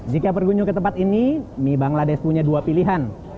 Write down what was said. jika berkunjung ke tempat ini mie bangladesh punya dua pilihan